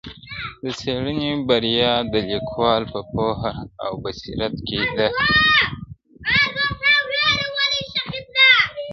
د څېړني بریا د لیکوال په پوهه او بصیرت کي ده.